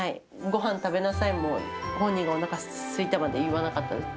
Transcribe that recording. ごはん食べなさいも、本人がおなかすいたまで言わなかったです。